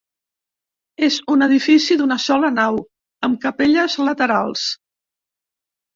És un edifici d'una sola nau amb capelles laterals.